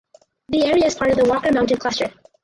The area is part of the Walker Mountain Cluster.